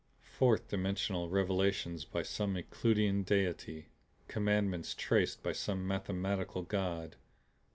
Fourth Dimensional revelations by some Euclidean deity! Commandments traced by some mathematical God!